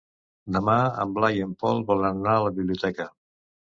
Demà en Blai i en Pol volen anar a la biblioteca.